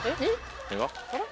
えっ？